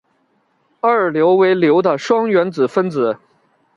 二硫为硫的双原子分子。